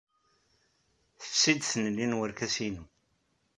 Tefsi-d tnelli n werkas-inu.